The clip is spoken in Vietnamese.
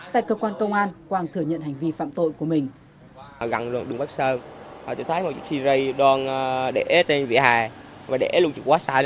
tại cơ quan công an quang thừa nhận hành vi phạm tội của mình